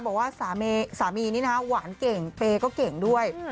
บอกว่าสามีนี่นะหวานเก่งเปย์ก็เก่งด้วย